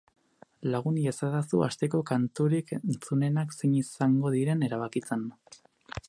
Lagun iezaguzu asteko kanturik entzunenak zein izango diren erabakitzen.